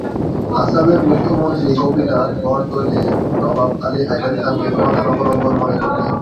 আসামের মুখ্যমন্ত্রী গোপীনাথ বরদলৈ নবাব আলী হায়দার খানকে প্রধান অবলম্বন মনে করতেন।